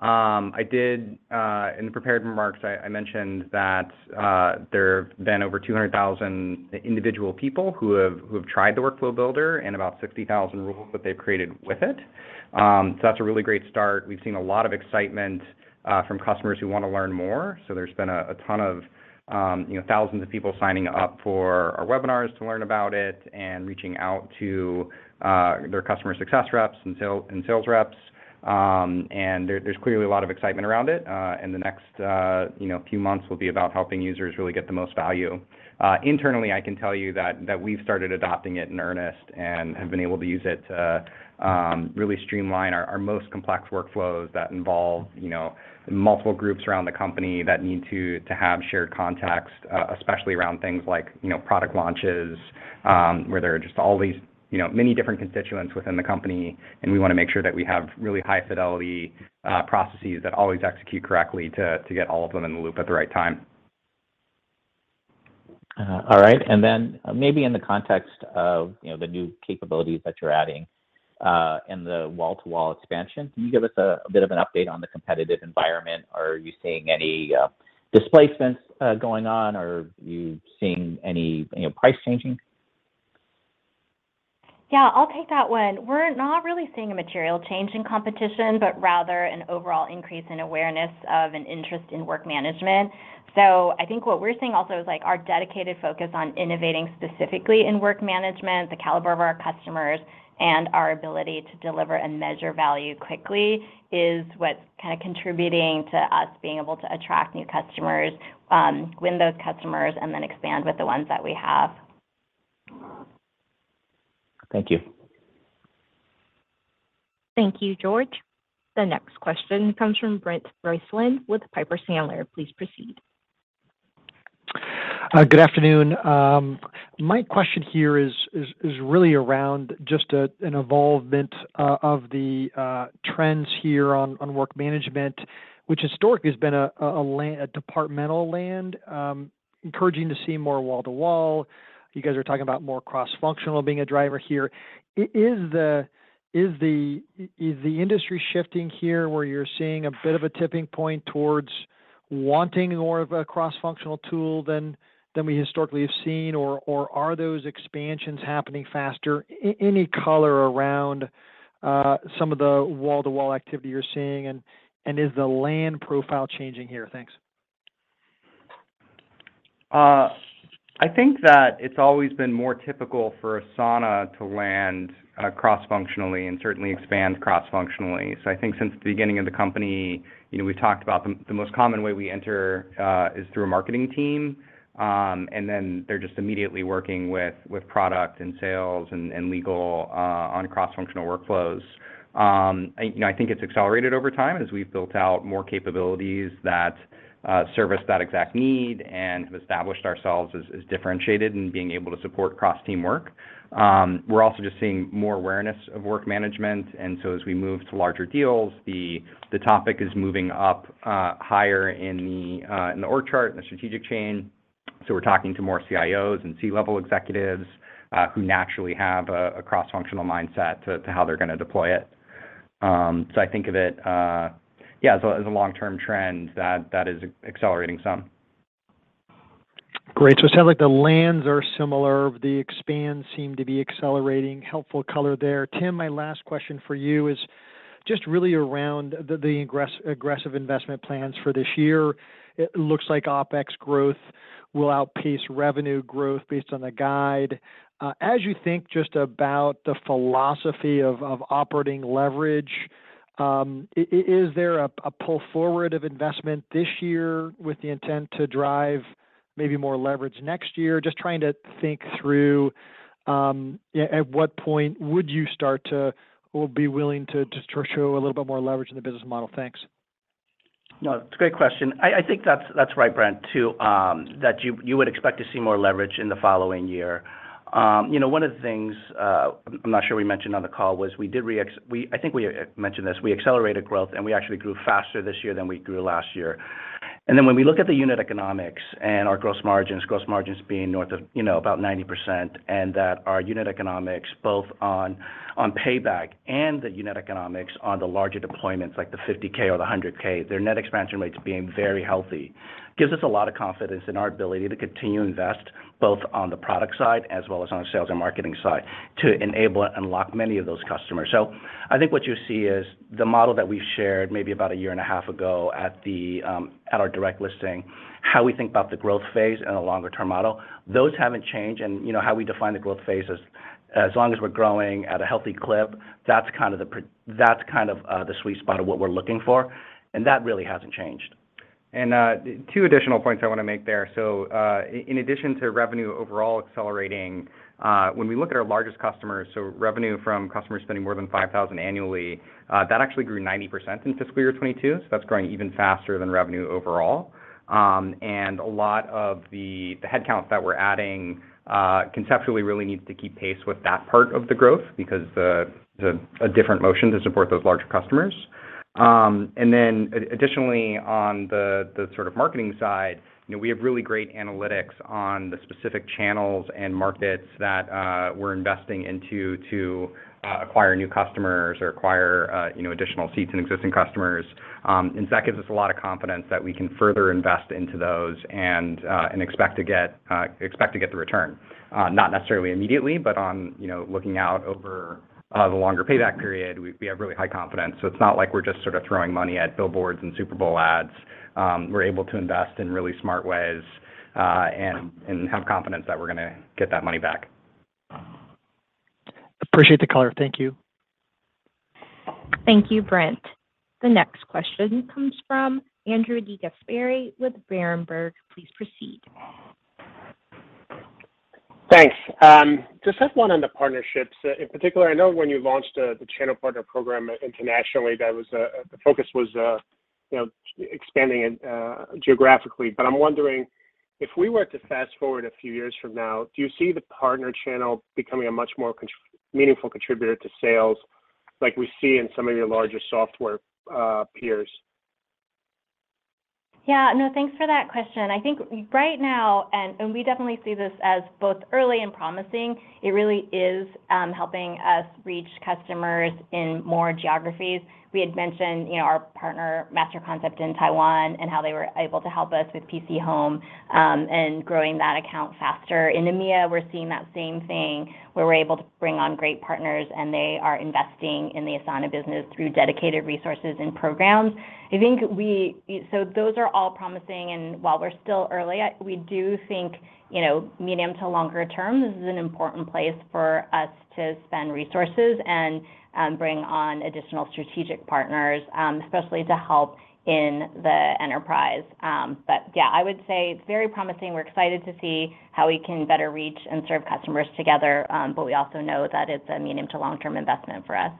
In the prepared remarks, I mentioned that there have been over 200,000 individual people who have tried the Workflow Builder and about 60,000 rules that they've created with it. So that's a really great start. We've seen a lot of excitement from customers who want to learn more. There's been a ton of, you know, thousands of people signing up for our webinars to learn about it and reaching out to their customer success reps and sales reps. There's clearly a lot of excitement around it. The next, you know, few months will be about helping users really get the most value. Internally, I can tell you that we've started adopting it in earnest and have been able to use it to really streamline our most complex workflows that involve, you know, multiple groups around the company that need to have shared context, especially around things like, you know, product launches, where there are just all these, you know, many different constituents within the company, and we want to make sure that we have really high-fidelity processes that always execute correctly to get all of them in the loop at the right time. All right. Maybe in the context of, you know, the new capabilities that you're adding, and the wall-to-wall expansion, can you give us a bit of an update on the competitive environment? Are you seeing any displacements going on? Are you seeing any, you know, price changing? Yeah, I'll take that one. We're not really seeing a material change in competition, but rather an overall increase in awareness of an interest in work management. I think what we're seeing also is, like, our dedicated focus on innovating specifically in work management, the caliber of our customers, and our ability to deliver and measure value quickly is what's kind of contributing to us being able to attract new customers, win those customers, and then expand with the ones that we have. Thank you. Thank you, George. The next question comes from Brent Bracelin with Piper Sandler. Please proceed. Good afternoon. My question here is really around just an evolution of the trends here on work management, which historically has been a departmental land. Encouraging to see more wall-to-wall. You guys are talking about more cross-functional being a driver here. Is the industry shifting here where you're seeing a bit of a tipping point towards wanting more of a cross-functional tool than we historically have seen, or are those expansions happening faster? Any color around some of the wall-to-wall activity you're seeing, and is the land profile changing here? Thanks. I think that it's always been more typical for Asana to land cross-functionally and certainly expand cross-functionally. I think since the beginning of the company, you know, we've talked about the most common way we enter is through a marketing team, and then they're just immediately working with product and sales and legal on cross-functional workflows. You know, I think it's accelerated over time as we've built out more capabilities that service that exact need and have established ourselves as differentiated in being able to support cross-team work. We're also just seeing more awareness of work management. As we move to larger deals, the topic is moving up higher in the org chart and the strategic chain. We're talking to more CIOs and C-level executives, who naturally have a cross-functional mindset to how they're gonna deploy it. I think of it as a long-term trend that is accelerating some. Great. It sounds like the lands are similar. The expands seem to be accelerating. Helpful color there. Tim, my last question for you is just really around the aggressive investment plans for this year. It looks like OpEx growth will outpace revenue growth based on the guide. As you think just about the philosophy of operating leverage, is there a pull forward of investment this year with the intent to drive maybe more leverage next year? Just trying to think through, at what point would you start to or be willing to just show a little bit more leverage in the business model? Thanks. No, it's a great question. I think that's right, Brent, too, that you would expect to see more leverage in the following year. You know, one of the things I'm not sure we mentioned on the call, I think we mentioned this, was we accelerated growth, and we actually grew faster this year than we grew last year. When we look at the unit economics and our gross margins, gross margins being north of, you know, about 90%, and that our unit economics, both on payback and the unit economics on the larger deployments like the 50K or the 100K, their net expansion rates being very healthy, gives us a lot of confidence in our ability to continue to invest, both on the product side as well as on the sales and marketing side, to enable and unlock many of those customers. I think what you see is the model that we've shared maybe about a year and a half ago at our direct listing, how we think about the growth phase and a longer-term model. Those haven't changed. You know, how we define the growth phase is as long as we're growing at a healthy clip, that's kind of the sweet spot of what we're looking for, and that really hasn't changed. Two additional points I want to make there. In addition to revenue overall accelerating, when we look at our largest customers, revenue from customers spending more than $5,000 annually, that actually grew 90% in fiscal year 2022, so that's growing even faster than revenue overall. And a lot of the headcount that we're adding conceptually really needs to keep pace with that part of the growth because the different motion to support those larger customers. And then additionally, on the marketing side, you know, we have really great analytics on the specific channels and markets that we're investing into to acquire new customers or acquire, you know, additional seats in existing customers. That gives us a lot of confidence that we can further invest into those and expect to get the return. Not necessarily immediately, but you know, looking out over the longer payback period, we have really high confidence. It's not like we're just sort of throwing money at billboards and Super Bowl ads. We're able to invest in really smart ways and have confidence that we're gonna get that money back. Appreciate the color. Thank you. Thank you, Brent. The next question comes from Andrew DeGasperi with Berenberg. Please proceed. Thanks. Just touch on the partnerships. In particular, I know when you launched the channel partner program internationally, that was the focus expanding it geographically. I'm wondering, if we were to fast-forward a few years from now, do you see the partner channel becoming a much more meaningful contributor to sales like we see in some of your larger software peers? Yeah. No, thanks for that question. I think right now and we definitely see this as both early and promising. It really is helping us reach customers in more geographies. We had mentioned, you know, our partner Master Concept in Taiwan and how they were able to help us with PChome Online and growing that account faster. In EMEA, we're seeing that same thing, where we're able to bring on great partners, and they are investing in the Asana business through dedicated resources and programs. Those are all promising, and while we're still early, we do think, you know, medium to longer term, this is an important place for us to spend resources and bring on additional strategic partners, especially to help in the enterprise. Yeah, I would say it's very promising. We're excited to see how we can better reach and serve customers together. We also know that it's a medium to long-term investment for us.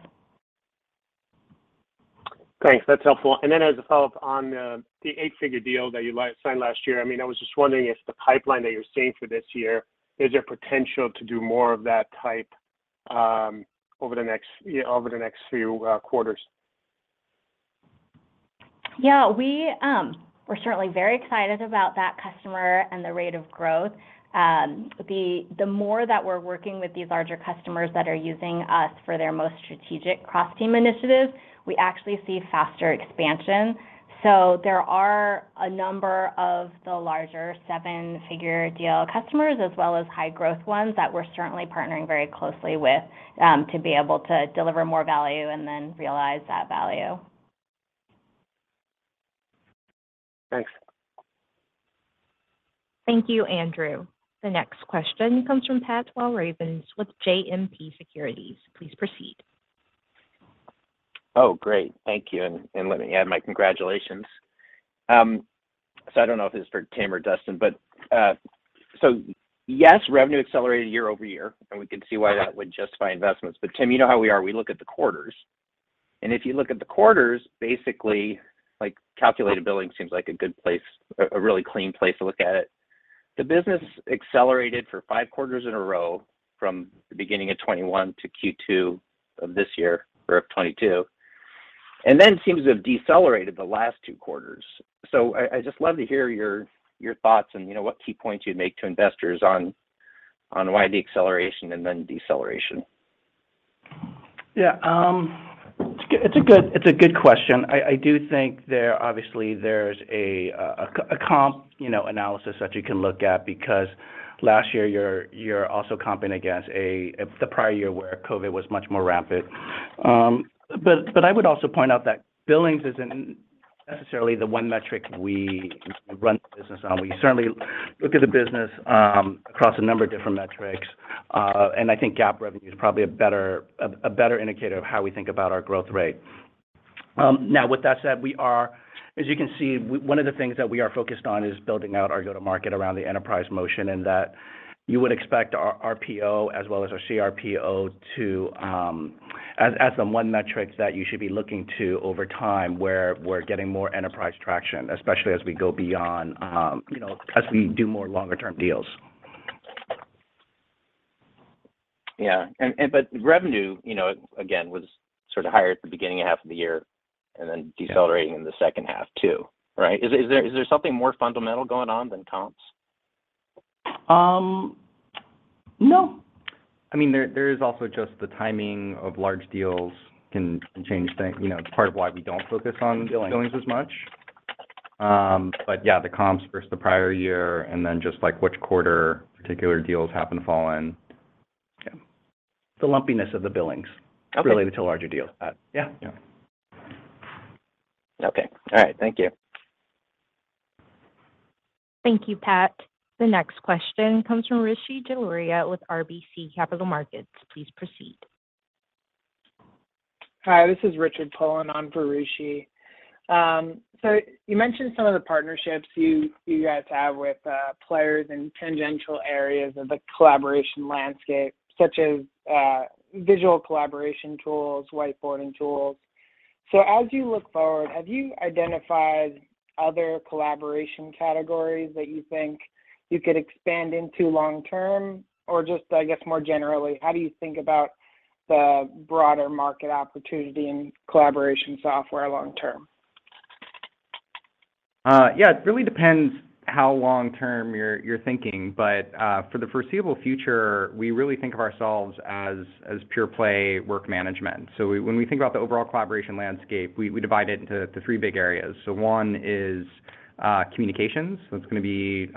Thanks. That's helpful. As a follow-up on the eight-figure deal that you signed last year, I mean, I was just wondering if the pipeline that you're seeing for this year is there potential to do more of that type, you know, over the next few quarters? Yeah. We're certainly very excited about that customer and the rate of growth. The more that we're working with these larger customers that are using us for their most strategic cross-team initiatives, we actually see faster expansion. There are a number of the larger seven-figure deal customers as well as high-growth ones that we're certainly partnering very closely with to be able to deliver more value and then realize that value. Thanks. Thank you, Andrew. The next question comes from Pat Walravens with JMP Securities. Please proceed. Oh, great. Thank you, and let me add my congratulations. I don't know if this is for Tim or Dustin, but yes, revenue accelerated year over year, and we can see why that would justify investments. Tim, you know how we are. We look at the quarters. If you look at the quarters, basically, like, calculated billing seems like a good place, a really clean place to look at it. The business accelerated for 5 quarters in a row from the beginning of 2021 to 2Q of this year, or of 2022, and then seems to have decelerated the last 2 quarters. I'd just love to hear your thoughts and, you know, what key points you'd make to investors on why the acceleration and then deceleration. It's a good question. I do think there obviously there's a comp analysis that you can look at because last year you're also comping against the prior year where COVID was much more rampant. I would also point out that billings isn't necessarily the one metric we run the business on. We certainly look at the business across a number of different metrics. I think GAAP revenue is probably a better indicator of how we think about our growth rate. Now with that said, we are, as you can see, one of the things that we are focused on is building out our go-to-market around the enterprise motion, and that you would expect our RPO as well as our CRPO to As the one metric that you should be looking to over time where we're getting more enterprise traction, especially as we go beyond, you know, as we do more longer-term deals. Yeah. Revenue, you know, again, was sort of higher at the beginning half of the year and then decelerating in the second half too, right? Is there something more fundamental going on than comps? No. I mean, there is also just the timing of large deals can change things. You know, it's part of why we don't focus on billings as much. Yeah, the comps versus the prior year and then just like which quarter particular deals happen to fall in. Yeah. The lumpiness of the billings. Okay. -related to larger deals. Yeah. Yeah. Okay. All right. Thank you. Thank you, Pat. The next question comes from Rishi Jaluria with RBC Capital Markets. Please proceed. Hi, this is Richard calling in for Rishi. You mentioned some of the partnerships you guys have with players in tangential areas of the collaboration landscape, such as visual collaboration tools, whiteboarding tools. As you look forward, have you identified other collaboration categories that you think you could expand into long term? Or just, I guess, more generally, how do you think about the broader market opportunity in collaboration software long term? Yeah, it really depends how long term you're thinking. But for the foreseeable future, we really think of ourselves as pure play work management. When we think about the overall collaboration landscape, we divide it into three big areas. One is communications. It's gonna be,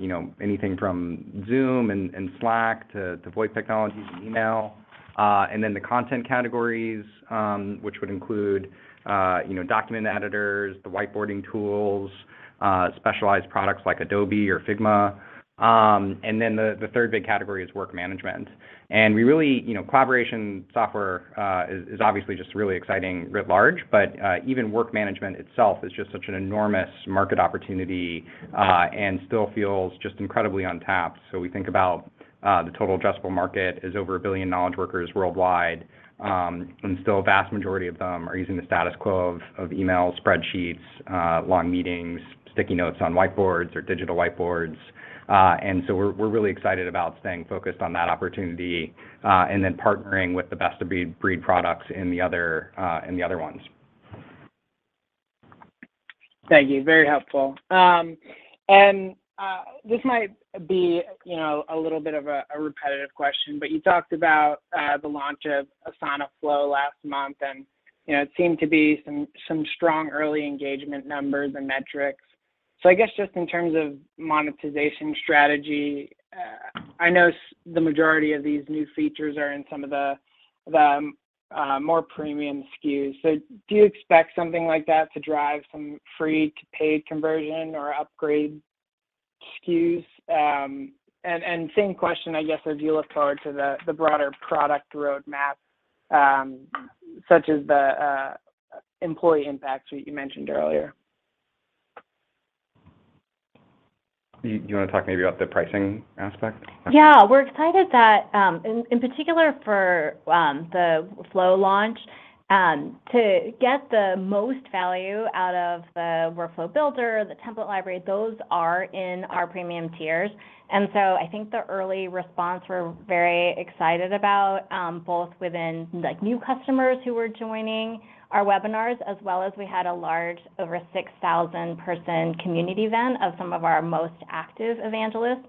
you know, anything from Zoom and Slack to VoIP technologies and email. And then the content categories, which would include, you know, document editors, the whiteboarding tools, specialized products like Adobe or Figma. And then the third big category is work management. You know, collaboration software is obviously just really exciting writ large, but even work management itself is just such an enormous market opportunity, and still feels just incredibly untapped. We think about the total addressable market is over 1 billion knowledge workers worldwide, and still a vast majority of them are using the status quo of email, spreadsheets, long meetings, sticky notes on whiteboards or digital whiteboards. We're really excited about staying focused on that opportunity, and then partnering with the best of breed products in the other ones. Thank you. Very helpful. This might be, you know, a little bit of a repetitive question, but you talked about the launch of Asana Flow last month, and you know, it seemed to be some strong early engagement numbers and metrics. I guess just in terms of monetization strategy, I know the majority of these new features are in some of the more premium SKUs. Do you expect something like that to drive some free to paid conversion or upgrade SKUs? Same question, I guess, as you look forward to the broader product roadmap, such as the Employee Impact Suite you mentioned earlier. You wanna talk maybe about the pricing aspect? Yeah. We're excited that, in particular for the Flow launch, to get the most value out of the Workflow Builder, the template library, those are in our premium tiers. I think the early response we're very excited about, both within, like, new customers who were joining our webinars, as well as we had a large, over 6,000-person community event of some of our most active evangelists.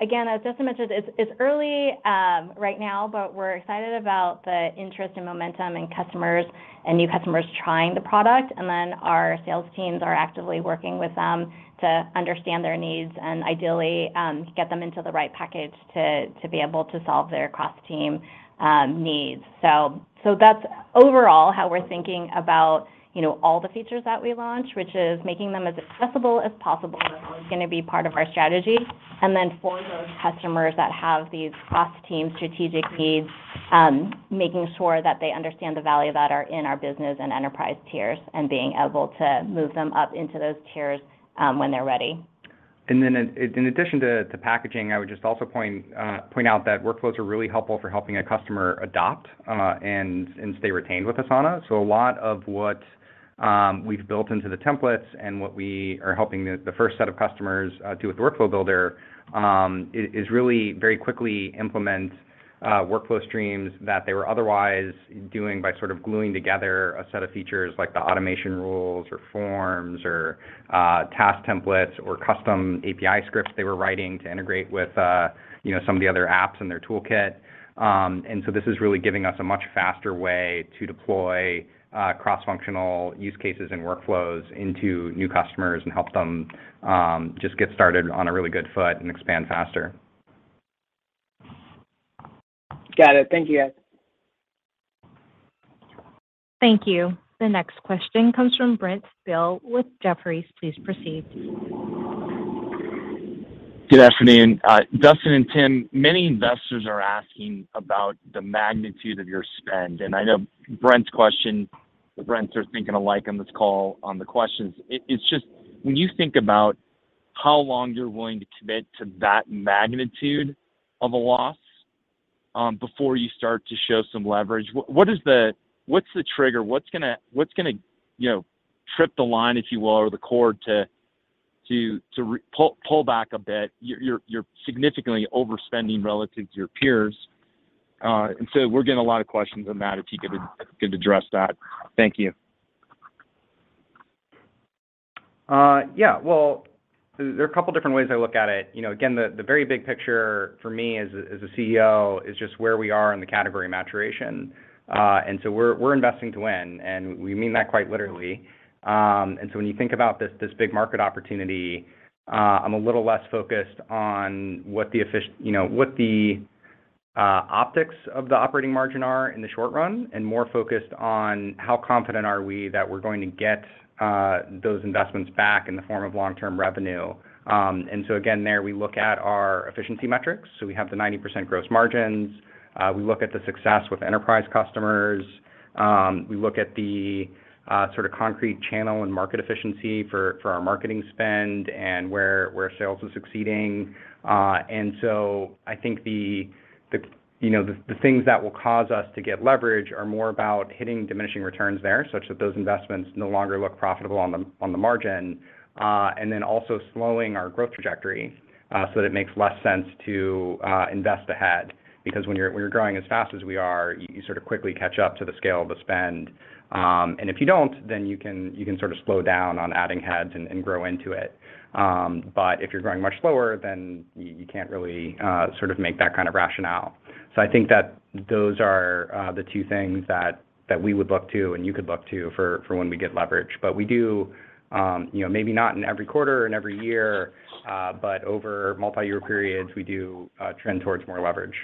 Again, as Dustin mentioned, it's early right now, but we're excited about the interest and momentum and customers and new customers trying the product. Our sales teams are actively working with them to understand their needs and ideally, get them into the right package to be able to solve their cross-team needs. That's overall how we're thinking about, you know, all the features that we launch, which is making them as accessible as possible is always gonna be part of our strategy. Then for those customers that have these cross-team strategic needs, making sure that they understand the value that are in our Business and Enterprise tiers and being able to move them up into those tiers, when they're ready. In addition to packaging, I would just also point out that workflows are really helpful for helping a customer adopt and stay retained with Asana. So a lot of what we've built into the templates and what we are helping the first set of customers do with Workflow Builder is really very quickly implement workflow streams that they were otherwise doing by sort of gluing together a set of features like the automation rules or forms or task templates or custom API scripts they were writing to integrate with you know some of the other apps in their toolkit. This is really giving us a much faster way to deploy cross-functional use cases and workflows into new customers and help them just get started on a really good foot and expand faster. Got it. Thank you. Thank you. The next question comes from Brent Thill with Jefferies. Please proceed. Good afternoon. Dustin and Tim, many investors are asking about the magnitude of your spend. I know Brent's question, the Brents are thinking alike on this call on the questions. It's just when you think about how long you're willing to commit to that magnitude of a loss before you start to show some leverage. What is the trigger? What's gonna trip the line, you know, if you will, or the cord to pull back a bit? You're significantly overspending relative to your peers. We're getting a lot of questions on that, if you could address that. Thank you. Yeah. Well, there are a couple different ways I look at it. You know, again, the very big picture for me as a CEO is just where we are in the category maturation. We're investing to win, and we mean that quite literally. When you think about this big market opportunity, I'm a little less focused on you know, what the optics of the operating margin are in the short run, and more focused on how confident are we that we're going to get those investments back in the form of long-term revenue. Again, there we look at our efficiency metrics, so we have the 90% gross margins. We look at the success with enterprise customers. We look at the sort of concrete channel and market efficiency for our marketing spend and where sales is succeeding. I think the you know the things that will cause us to get leverage are more about hitting diminishing returns there, such that those investments no longer look profitable on the margin. Also slowing our growth trajectory so that it makes less sense to invest ahead. Because when you're growing as fast as we are, you sort of quickly catch up to the scale of the spend. If you don't, then you can sort of slow down on adding heads and grow into it. If you're growing much slower, then you can't really sort of make that kind of rationale. I think that those are the two things that we would look to and you could look to for when we get leverage. We do you know maybe not in every quarter and every year but over multi-year periods we do trend towards more leverage.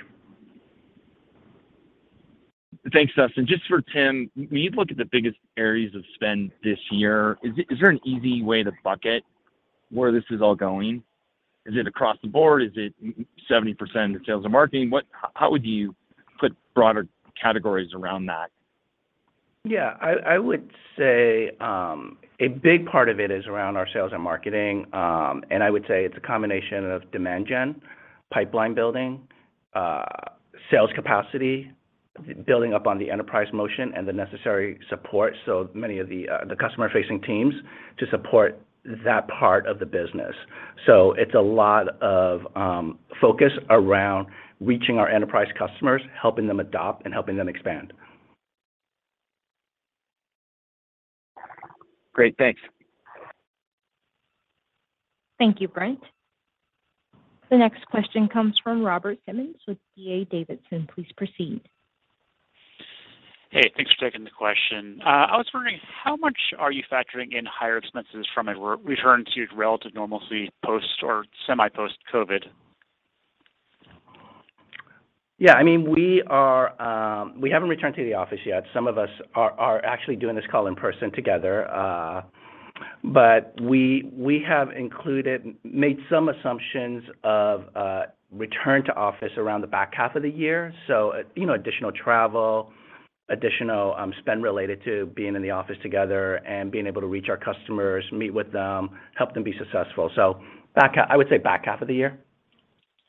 Thanks, Dustin. Just for Tim, when you look at the biggest areas of spend this year, is there an easy way to bucket where this is all going? Is it across the board? Is it 70% of the sales and marketing? How would you put broader categories around that? Yeah. I would say a big part of it is around our sales and marketing. I would say it's a combination of demand gen, pipeline building, sales capacity, building up on the enterprise motion and the necessary support, so many of the customer-facing teams to support that part of the business. It's a lot of focus around reaching our enterprise customers, helping them adopt, and helping them expand. Great. Thanks. Thank you, Brent. The next question comes from Robert Simmons with D.A. Davidson. Please proceed. Hey, thanks for taking the question. I was wondering how much are you factoring in higher expenses from a return to relative normalcy post or semi-post-COVID? Yeah. I mean, we haven't returned to the office yet. Some of us are actually doing this call in person together. But we have included, made some assumptions of return to office around the back half of the year. You know, additional travel, additional spend related to being in the office together and being able to reach our customers, meet with them, help them be successful. I would say back half of the year.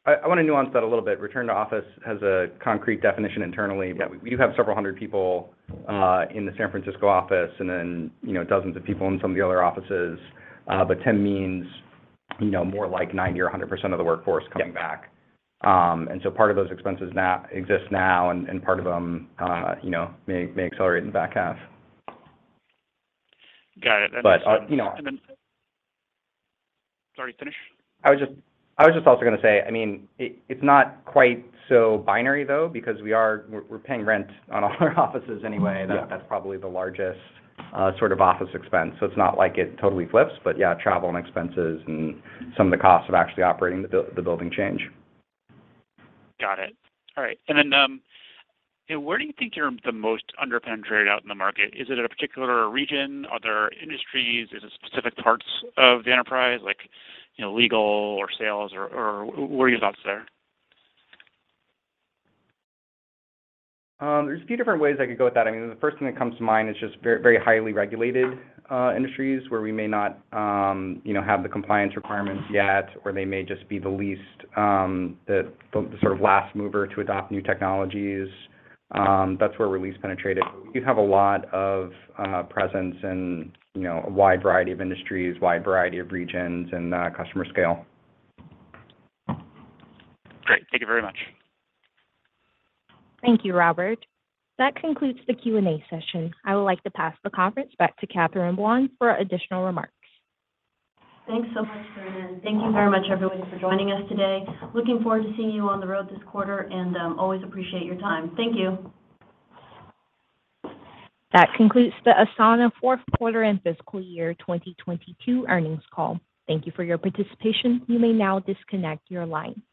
I wanna nuance that a little bit. Return to office has a concrete definition internally. Yeah. We do have several hundred people in the San Francisco office and then, you know, dozens of people in some of the other offices. But Tim means, you know, more like 90 or 100% of the workforce coming back. Part of those expenses now exist now and part of them, you know, may accelerate in the back half. Got it. You know. Sorry, finished? I was just also gonna say, I mean, it's not quite so binary though, because we're paying rent on all our offices anyway. Yeah. That's probably the largest sort of office expense. It's not like it totally flips. Yeah, travel and expenses and some of the costs of actually operating the building change. Got it. All right. Where do you think you're the most under-penetrated out in the market? Is it a particular region? Are there industries? Is it specific parts of the enterprise, like, you know, legal or sales or what are your thoughts there? There's a few different ways I could go with that. I mean, the first thing that comes to mind is just very, very highly regulated industries where we may not, you know, have the compliance requirements yet, or they may just be the least, the sort of last mover to adopt new technologies. That's where we're least penetrated. We do have a lot of presence in, you know, a wide variety of industries, wide variety of regions and customer scale. Great. Thank you very much. Thank you, Robert. That concludes the Q&A session. I would like to pass the conference back to Catherine Buan for additional remarks. Thanks so much, Marianne. Thank you very much, everyone, for joining us today. Looking forward to seeing you on the road this quarter and always appreciate your time. Thank you. That concludes the Asana fourth quarter and fiscal year 2022 earnings call. Thank you for your participation. You may now disconnect your line.